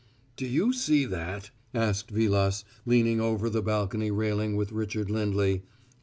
"Do you see that?" asked Vilas, leaning over the balcony railing with Richard Lindley.